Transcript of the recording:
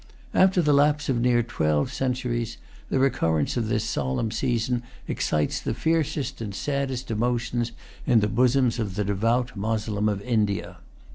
After the lapse of near twelve centuries, the recurrence of this solemn season excites the fiercest and saddest emotions in the bosoms of the devout Moslem of India.